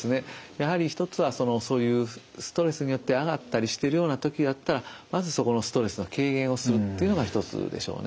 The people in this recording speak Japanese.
やはり一つはそういうストレスによって上がったりしているような時だったらまずそこのストレスの軽減をするっていうのが一つでしょうね。